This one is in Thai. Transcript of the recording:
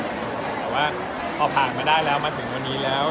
แต่ว่าพอผ่านมาได้แล้วมาถึงวันนี้แล้ว